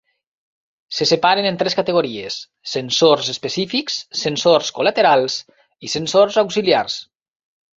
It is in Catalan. Se separen en tres categories: sensors específics, sensors col·laterals i sensors auxiliars.